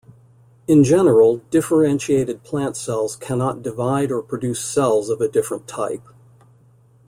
In general, differentiated plant cells cannot divide or produce cells of a different type.